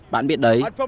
bạn biết đấy